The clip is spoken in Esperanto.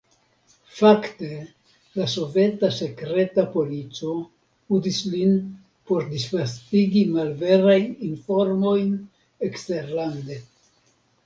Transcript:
Fakte la soveta sekreta polico uzis lin por disvastigi malverajn informojn eksterlande.